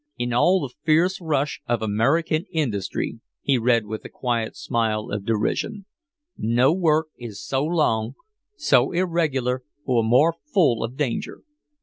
"'In all the fierce rush of American industry,'" he read, with a quiet smile of derision, "'no work is so long, so irregular or more full of danger.